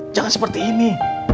jangan seperti ini